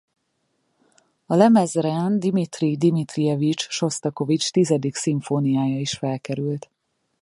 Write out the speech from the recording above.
A lemezre Dmitrij Dmitrijevics Sosztakovics tizedik szimfóniája is felkerült.